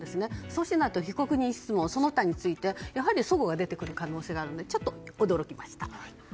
そうしないと被告人質問やその他について、齟齬が出てくる可能性があるのでちょっと驚きました。